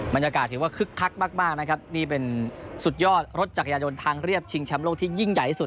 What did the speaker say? บรรยากาศถือว่าคึกคักมากนะครับนี่เป็นสุดยอดรถจักรยายนทางเรียบชิงแชมป์โลกที่ยิ่งใหญ่ที่สุด